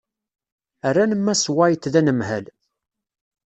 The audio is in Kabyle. Rran Mass White d anemhal.